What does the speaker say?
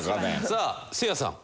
さあせいやさん。